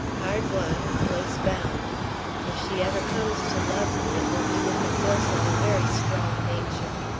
Hard won, close bound. If she ever comes to love me it will be with the force of a very strong nature.